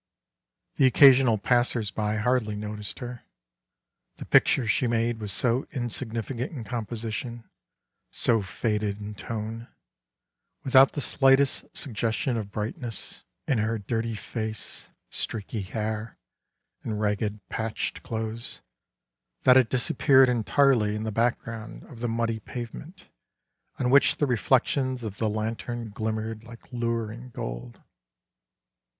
The occasional passers by hardly noticed her ; the picture she made was so insignificant in composition, so faded in tone, without the slightest suggestion of brightness in her 2 dirty face, streaky hair and ragged, patched clothes, that it disappeared entirely in the background of the muddy pavement, on which the reflections of the lantern glim mered like luring gold.